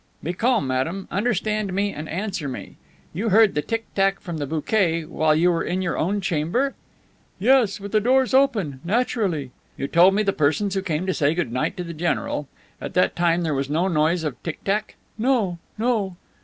"Be calm, madame. Understand me and answer me: You heard the tick tack from the bouquet while you were in your own chamber?" "Yes, with the doors open, naturally." "You told me the persons who came to say good night to the general. At that time there was no noise of tick tack?" "No, no."